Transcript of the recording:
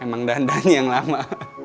emang dandannya yang lama